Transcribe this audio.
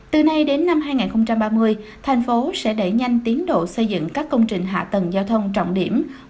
từ nay đến năm hai nghìn ba mươi thành phố sẽ đẩy nhanh tiến độ xây dựng các công trình hạ tầng giao thông trọng điểm